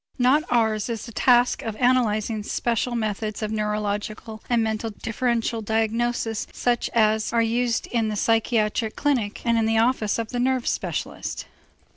Not ours is the task of analyzing special methods of neurological and mental differential diagnosis such as are used in the psychiatric clinic and in the office of the nerve specialist.